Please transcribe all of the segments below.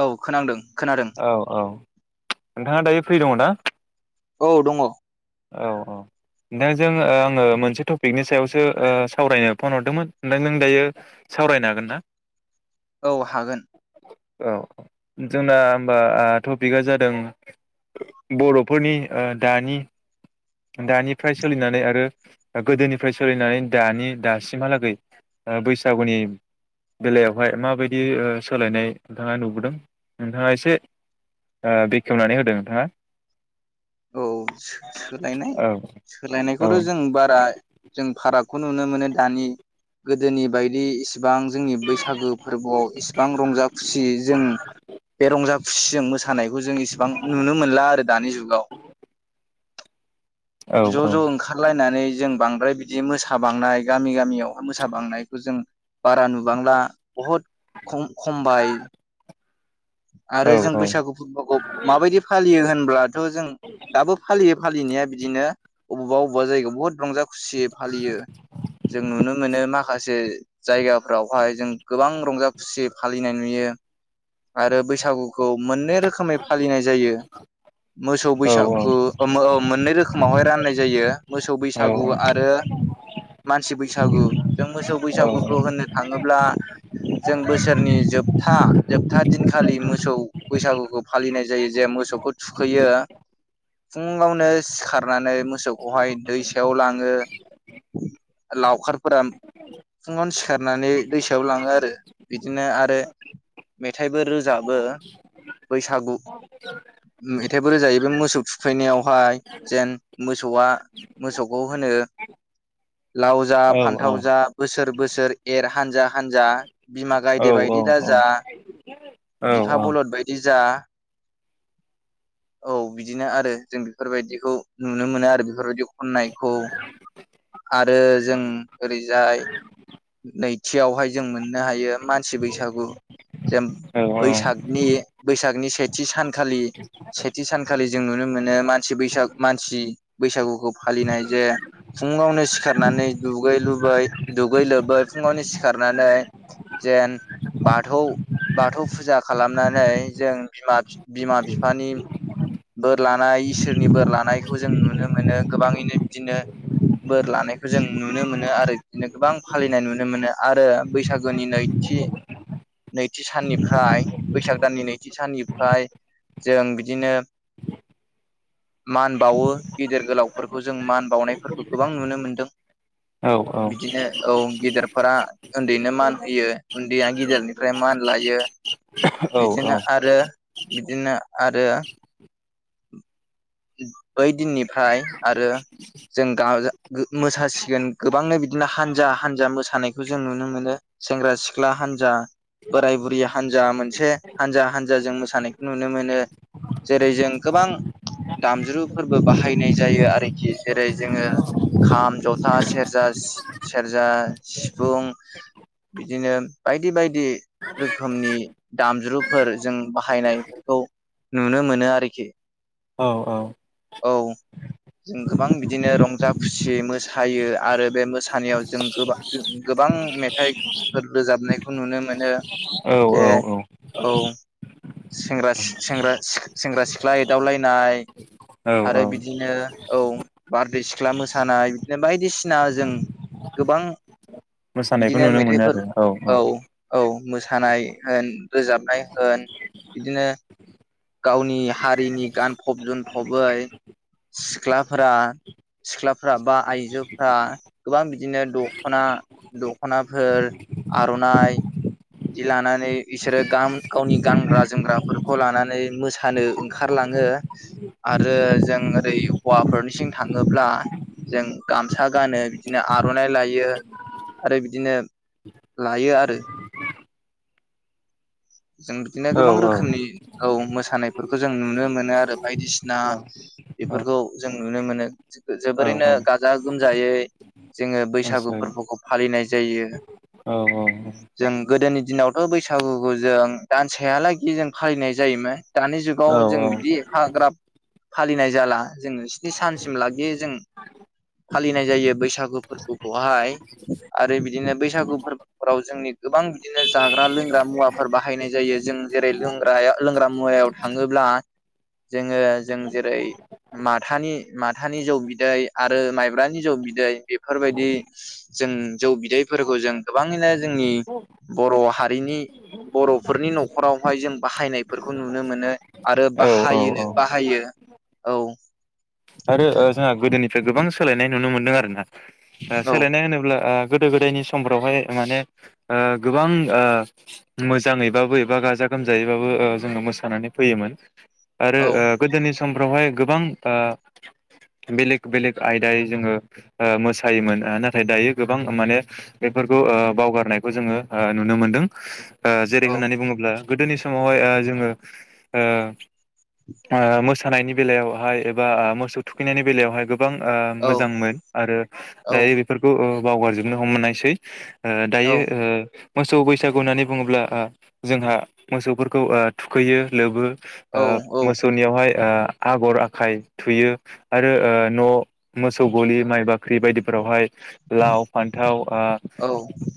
औ खोनांदों। खोनादों औ औ नोंथाङा दायो फ्रि दङ ना? औ दङ। औ औ नोंथां ज जों ओ आंङो मोनसे टपिकनि सायावसो सो ओ सावरायनो फन हरदोंमोन नों दायो सावरायनो हागोन ना? औ हागोन। औ जों दा। होनबा टपिकआ जादों बर'फोरनि ओ दानि दानिफ्राय सोलिनानै आरो गोदोनिफ्राय सोलिनाय दानि दासिमहालागै ओ बैसागुनि बेलायावहाय माबायदि ओ सोलायनाय नोंथाङा नुबोदों नोंथाङा एसे ओ बेखेवनानै होदो नोंथाङा। औ सोलायनाय औ औ सोलायनायखौथ' जों बारा जों फाराग खौ नुनो मोनो दानि गोदोनि बायदि बां जोंनि बैसागो फोरबोआव इसिबां रंजा खुसि जों बे रंजा खुसिजों मोसानायखौ जों इसिबां नुनो मोनला आरो दानि जुगाव। औ ज' औ ज' ओंखारलायनानै जों बांद्राय बिदि मोसा बांनाय गामि गामियाव अहा मोसा बांनायखौ जों बारा नुबांला। बहुत खम खमबाय। आरो जों औ बैसागु फोरबोखौ माबायदि फालियो होनब ब्ला थ' जों दाबो फालियो फालिनाया बिदिनो अबावबा अबावबा जायगायाव बहुत रंजा खुसियै फालियो जों नुनो मोनो माखासे जायगा फोरावहाय जों गोबां रंजा खुसियै फालिनाय नुयो । आरो बैसागुखौ मोननै रोखोमै फालिनाय जायो मोसौ औ बैसागु ओ मोननै रोखोमावहाय राननाय जायो मोसौ औ बैसागु आरो मानसि बैसागु जों मोसौ औ बैसागुखौ होननो थाङोब्ला जों बोसोरनि जोबथा जोब था दिनखालि मोसौ बैसागुखौ फालिनाय जायो जे मोसौखौ थुखैयो फुङावनो सिखार नानै मोसौखौहाय दै सायाव लाङो लावखार फोरा फुङावनो सिखारनानै दैसायाव लाङो आरो बिदिनो आरो मेथाइबो रोजाब बो बैसागु मे मेथाइबो रोजाबो बे मोसौ थुखैनायावहाय जेन मोसौआ मोसौखौ होनो लाव जा फान्थाव जा बोसोर बोसोर एर हानजा हानजा बिमा गायदे बायदि दाजा बिफा बलद बायदि जा औ बिदिनो आरो जों बेफोरबायदिखौ नुनो मोनो आरो बेफोरबायदि खननायखौ आरो जों ओरैजाय नैथियावहाय जों मोननो हायो मानसि बैसागु जे बैसागनि बैसागनि सेथि सानखालि सेथि सानखालि जों नुनो मोनो मानसि बैसाग मानसि बैसागु गु फालिनाय जे फुंङावनो सिखारनानै दुगै लै दुगै लोबै फुङावनो सिखारनानै जेन बाथौ बाथौ फुजा खालामनानै जों बिमा बिफानि बोर लानाय इसोरनि बोर लानायखौ जों नुनो मोनो गोबाङैनो बिदिनो बोर लानायखौ जों नुनो मोनो आरो बिदिनो गोबां फालिनाय नुनो मोनो आरो बैसागोनि नैथि नैथि साननिफ्राय बैसाग दाननि नैथि साननिफ्राय जों बिदिनो मान बावो गिदिर गोलावफोरखौ जों मान बावउनायफोरखौ गोबां नुनो मोनदों बिदिनो औ गेदेरफोरा उन्दैनो मान होयो [unintelligible] फ्राय मान लायो - बिदिनो आरो बिदिनो आरो बै दिननिफ्राय आरो जों गाजा मोसासिगोन गोबांनो बिदिनो हानजा हानजा मोसानायखौ जों नुनो मोनो सेंग्रा सिख्ला हानजा बोराय बुरि हानजा मोनसे हानजा हानजा जों मोसानायखौ नुनो मोनो जेरै जों गोबां दामजुफोरबो बाहायनाय जायो आरोखि जेरै जोङो खाम ज'था सेरजा सेरजा सिफुं बिदिनो बायदि बायदि। रोखोमनि दामज्रुफोर जों बाहायनायफोरखौ नुनो मोनो आरोखि औ जों गोबां बिदिनो रंजा खुसि मोसायो आरो बे मोसानायाव जों गोबां मेथाइफोर रोजाबनायखौ नुनो मोनो। औ जे औे सेंग्रा सेंग्रा सिख्ला एदावलायनाय औ आरो बिदिनो औ बारदै सिख्ला मोसानाय बिदिनो बायदिसिना जों गोबां- मोसानायखौ बिदिनो नुनो मोनो मेथाइफोर आरो औ औ औ मोसानाय होन रोजाबनाय होन बिदिनो गावनि हारिनि गानफब जोमफबै सिख्लाफोरा सिख्लाफ्रा बा आइजोफ्रा गोबां बिदिनो दखना दखनाफोर आर'नाइ बिदि लानानै बिसोरो गाम गावनि गानग्रा जोमग्राफोरखौ लानानै मोसानो ओंखारलाङो आरो जों ओरै हौवाफोरनिसिं थाङोब्ला जों गामसा गानो बिदिनो आरनाइ लायो आरो बिदिनो लायो आरो जों बिदिनो औ गोबां रोखोमनि औ मोसानायफोरखौ जों नुनो मोनो आरो बायदिसिना बेफोरखौ जों नुनो मोनो औ जोबोरैनो औ गाजा गोमजायै। जोङो बैसागु मोसायो फोरबोखौ फालिनाय जायो औ जों गोदोनि दिनावथ बैसागुखौ जों दानसेहालागि जों फालिनाय जायोमोन दानि जुगाव औ औ जों बिदि हाग्राब फालिनाय जाला जोङो स्नि सानसिम लागि जों फालिनाय जायो बैसागु फोरबोखौहाय आरो बिदिनो बैसागु फोरबोफोराव जोंनि गोबां बिदिनो जाग्रा लोंग्रा मुवा बाहायनाय जायो जों जेरै लोंग्रायाव लोंग्रा मुवायाव थाङोब्ला जोङो जों जेरै माथानि माथानि जौ बिदै आरो माइब्रानि जौ बिदै बेफोरबायदि जों जौ बिदैफोरखौ जों गोबाङैनो जोंनि बर हारिनि बरफोरनि नखरावहाय जों बाहायनायफोरखौ नुनो मोनो आरो बाहायो औ बाहायो औ। आरो जोंहा गोदोनि ओमफ्राय गोबां सोलायनाय नुनो मोनदों आरो ना? औ सोलायनाय होनोब्ला ओ गोदो गोदायनि समफ्रावहाय माने गोबां मोजाङैबाबो एबा गाजा गोमजायैबाबो जोङो मोसानानै फैयोमोन। आरो औ गोदोनि सम बेावहाय गोबां बेलेग बेलेग आयदायै जोङो मोसायोमोन नाथाय दायो गोबां माने बेफोरखौ बावगारनायखौ जोङो नुनो मोनदों। ओ जेरै औ होननानै बुङोब्ला- गोदोनि समावहाय जोङो ओ मोसानायनि बेलायावहाय एबा मोसौ थखैनायनि बेलायावहाय- गोबां औ मोजांमोन आरो औ दायो बेफोरखौ बावगारजोबनो हमनायसै। ओ औ दायो ओ मोसौ बैसागु होननानै बुङोब्ला ओ जोंहा मोसौफोरखौ थुखैयो लोबो। औ मोसौनियावहाय ओ आगर आखाइ थुयो आरो ओ न' मोसौ गलि माइ बा बे बायदिफोरावहाय- लाव फान्थाव ओ औ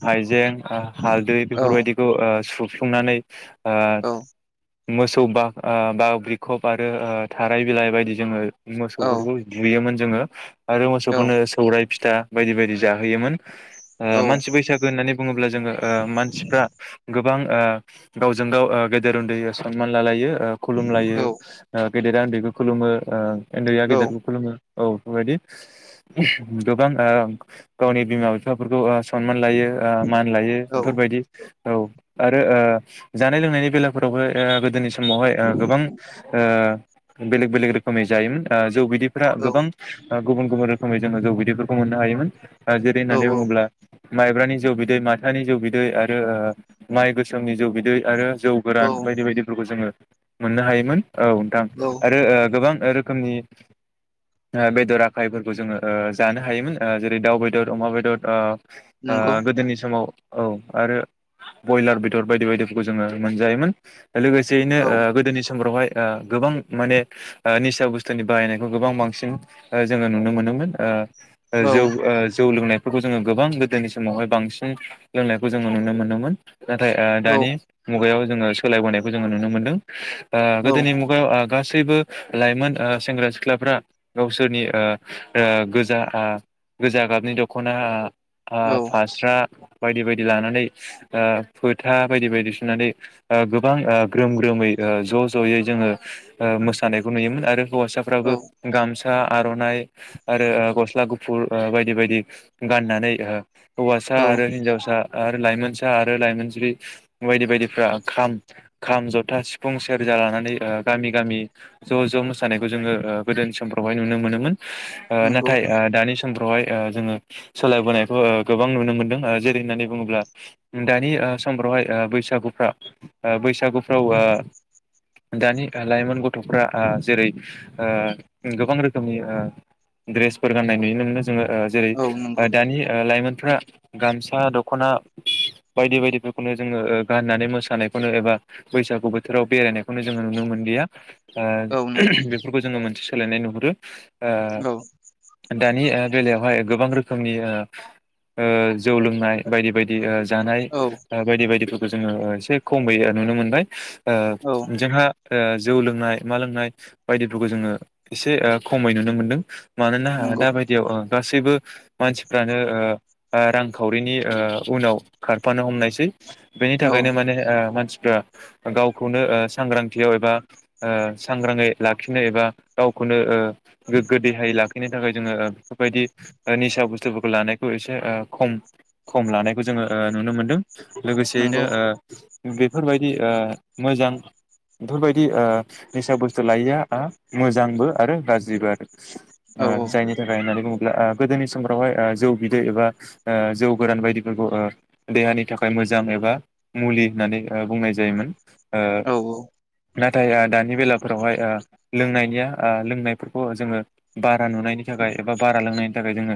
हाइजें हालदै औ बेफोरबायदिखौ सु संनानै ओ मोसौ बाओ बिखब आरो थाराय बिलाइ बायदि जोङो मोसौफोरखौ दुयोमोन। जोङो आरो मोसौफोरनो सौरायाइ फिथा बायदि बायदि जाहोयोमोन। ओ मानसि बैसागो होननानै बुङोब्ला जोङो ओ मानसिफ्रा गोबां ओ गावजों ओ गाव गेदेर उन्दै सनमान लालायो। ओ खुलुम लायो ओ गेदेरा उन्दैखौ खुलुमो ओ उन्दैआ गेदेरखौ खुलुमो। औ बेबायदि गोबां ओ गावनि बिमा बिफाफोरखौ सनमान लायो ओ मान लायो बेफोरबायदि औ आरो ओ जानाय लोंनायनि बेलाइफोरावबो गोदोनि समावहाय गोबां ओ बेलेग बेलेग रोखोमै जायोमोन। ओ जौ जौ बि दैफोरा गोबां ओ गुबुन गुबुन रोखोमै जोङो जौ बिदैफोरखौ मोननो हायोमोन। ओ जेरै औ होननानै बुङोब्ला माइब्रानि जौ बिदै माथानि जौ बिदै आरो माइ गोसोमनि जौ बिदै आरो जौ औ गोरान बायदि बायदिफोरखौ जोङो मोननो हायोमोन। औ नोंथां औ आरो ओ गोबां रोखोमनि ओ बेदर आखायफोरखौ जोङो जानो हायोमोन ओ जेरै दाउ बेदर अमा बेदर ओ ओ नंगौ गोदोनि समाव औ आरो बयलार बेदर बायदि बायदिफोरखौ जोङो मोनजायोमोन। लोगोसेयैनो औ ओ गोदोनि समफ्रावहाय ओ गोबां माने निसा बुस स्थुनि बाहायनायखौ गोबां बांसिन जोङो नुनो मोनोमोन ओ ओ औ जौ ओ जौ लोंनाय फोरखौ जोङो गोबां गोदोनि समावहाय बांसिन लोंनायखौ जोङो नुनो मोनोमोन। नाथाय ओ औ दानि मुगायाव जोङो सोलायबोनायखौ जोङो नुनो मोनदों। ओ औ गोदोनि मुगायाव ओ गासैबो लाइमोन ओ सेंग्रा सिख्लाफ्रा गावसोरनि ओ ओ गोजा गोजा गाबनि दख'ना ओ औ फास्रा बायदि बायदि लानानै फोथा बायदि बायदि सुनानै गोबां ग्रोम ग्रोमै ज' ज'यै जोङो मोसानायखौ नुयोमोन आरो हौवासाफ्राबो औ गामसा आर'नाइ आरो गस्ला गुफुर बायदि बायदि गाननानै हौवासा औ आरो हिनजावसा आरो लाइमोनसा आरो लाइमोन जिबि बायदि बायदिफ्रा खाम खाम जथा सिफुं सेरजा लानानै गामि गामि ज' ज' मोसा नायखौ जोङो गोदो समफ्रावहाय नुनो मोनोमोन। नंगौ नाथाय ओ दानि समफ्रावहाय जोङो सोलायबोनायखौ गोबां नुनो मोनदों जेरै होननानै बुङोब्ला दानि समफ्रावहाय बैसागुफ्रा बैसागुफ्राव दानि लाइमोन गथ'फ्रा जेरै गोबां रोखोमनि द्रेसफोर गाननाय नुयो नो। ज जेरै औ नंगौ दानि लाइमोन फ्रारा गामसा दख'ना बायदि बायदिफोरखौनो जोङो गाननानै मोसानायखौनो एबा बैसागु बोथोराव बेरायनायखौनो जोङो नुनो मोनलिया। औ ओ नंगौ बेफोरखौ जोङो मोनथि सोलायनाय नुहुरो ओ औ दानि ओ बेलायावहाय ओ गोबां रोखोमनि ओ जौ लोंनाय बायदि बायदि जानाय औ बायदि बायदि जोङो एसे खमै नुनो मोनबाय औ ओ जोंहा जौ लोंनाय मा लोंनाय बायदिफोरखौ जोङो एसे खमै नुनो मोनदों मानोना नंगौ दाबायदियाव ओं गासैबो मानसिफ्रानो रांखावरिनि उनाव खारफानो हमनायसै बेनि औ थाखायनो माने मानसि गावखौनो सांग्रांथियाव एबा सांग्राङै लाखिनो एबा गावखौनो गोग्गो देहायै लाख बेनि थाखाय जोङो बबायदि निसा बुस्थु बुस्थुफोरखौ लानायखौ एसे खम खम लानायखौ जोङो नुनो मोनदों। लोगोसेयैनो नंगौ बेफोरबायदि मोजां बेफोरबायदि निसा बुस्थु लायिआ मोजांबो आरो गाज्रिबो औ आरो जायनि थाखाय हारिमु गोदोनि समफ्रावहाय ओ जौ बिदै एबा ओ जौ गोरान बायदिफोरखौ देहानि थाखाय मोजां एबा ओ मुलि होननानै बुंनाय जायोमोन ओ औ नाथाय दानि बेला फोरावहाय ओ लोंनायनिया ओ लोंनायफोरखौ जोङो बार बारा नुनायनि थाखाय एबा बा लोंनायनि नि थाखाय जोङो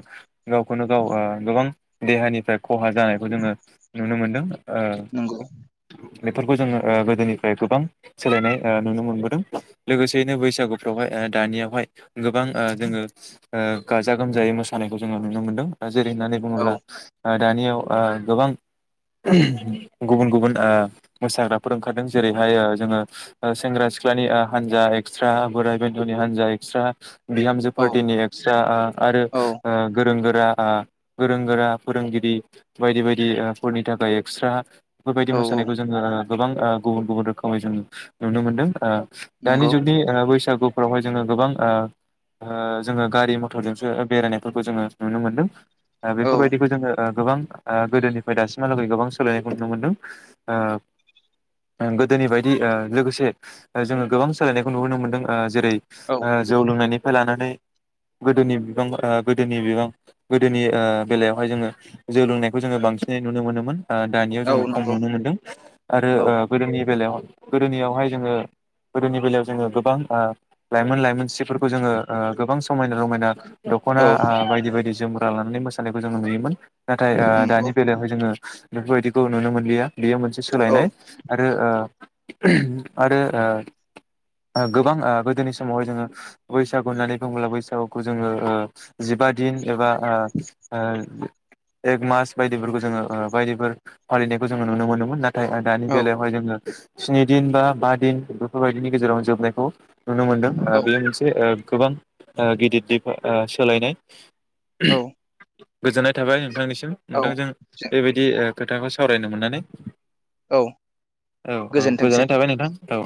गावखौनो गाव ओ गोबां देहानि था खहा जानायखौ जोङो नुनो मोनो दां नंगौ बेफोरखौ जोङो ओ गोदोनिफ्राय गोबां सोलायनाय ओ नुनो मोनबोदों लोगोसेयैनो बैसागुफ्रावहाय दानियावहाय गोबां जोङो गाजा गोमजायै मोसानायखौ जोङो नुनो मोन्दों जेरै होननानै बुङोब्ला दानियाव गोबां गुबुन गुबुन मोसाग्राफोर ओंखारदों जेरैहाय जोङो सेंग्रा सिख्लानि हानजा एक्सट्रा बोराय बेन्थ'नि हानजा एक्सट्रा बिहामजो पार्टिनि एक्सट्रा आरो औ गोरों गोर गोरों गोरा फोरोंगिरि बायदि बायदि फोरनि थाखाय एक्सट्रा बेफोरबायदि नंगौ औ मोसानायखौ जोङो गोबां गुबुन गुबुन रोखोमै जों नुनो मोनदों दानि नंगौ जुगनि ओ बैसागु फोरावहाय जोङो गोबां ओ ओ जोङो गारि मथरजोंसो ओ बेरायनायफोरखौ जोङो नुनो मोनदों ओ औ बेफोरबायदिखौ जोङो। ओ गोबां ओ गोदोनिफ्राय दासिमहालागै गोबां सोलायनायखौ नुनो मोनदों ओ गोदोनि बायदि ओ लोगोसे जोङो। गोबां सोलायनायखौ नुहोनो मोनदों ओ। जेरै औ ओ जौ लोंनायनि। लानानै गोदोनि बिबां गोदोनि बिबां गोदोनि ओ बेलायावहाय जोङो जोव लोंनायखौ जोङो बांसिनै नुनो मोनोमोन। ओ दानियाव औ नंगौ औ जोङो खम नंगौ नुनो मोनदों आरो औ ओ गोदोनि बेलायाव। गोदोनियावहाय जोङो। गोदोनि बेलायाव जोङो गोबां ओ लाइमोन लाइमोनस्रि। जोङो ओ गोबां। समायना रमायना। दख'ना ओ बायदि बायदि जोमो। लानानै मोसानायखौ जोङो नुयोमोन। नाथाय ओ दानि औ बेलायावहाय जोङो बेफोरबायदिखौ नुनो मोनलिया बेयो मोनसे सोलायनाय रो ओ आरो ओ गोबां ओ गोदोनि समावहाय जोङो बैसागु होननानै बुङोब्ला बैसागुखौ जोङो ओ जिबा दिन एबा ओ एक मास बायदिफोरखौ जोङो ओ बायदिफोर फालिनायखौ जोङो नुनो मोनोमोन ना थाय दानि बेलायावहाय जोङो स्नि दिन बा बा दिन बेफोरबायदिनि गेजेराव जोबनायखौ नुनो मोनदों औ बे मोनसे ओ गोबां ओ गिदिरदिर ओ सोलायनाय औ [unintelligible] गोजोननाय थाबाय नोंथांनिसिम नोथां जों बेबायदि ओ खोथाखौ सावरायनो मोननानै औ औ औ गोजोनथोंसै गोजोननाय थाबाय नोंथां औ